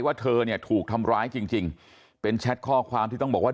เธอเนี่ยถูกทำร้ายจริงจริงเป็นแชทข้อความที่ต้องบอกว่า